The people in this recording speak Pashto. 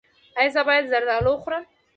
ایا زه باید زردالو وخورم؟